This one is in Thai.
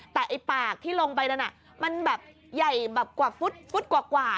ให้ปากที่ลงไปเราน่ะมันแบบใหญ่กว่าฟุทกว่า